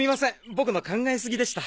ボクの考えすぎでした。